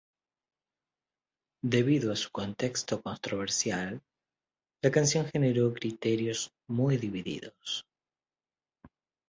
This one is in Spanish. Debido a su contexto controversial, la canción generó criterios muy divididos.